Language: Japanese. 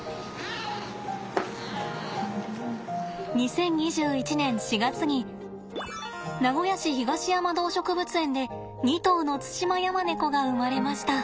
２０２１年４月に名古屋市東山動植物園で２頭のツシマヤマネコが生まれました。